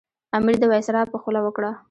امیر د وایسرا په خوله وکړه.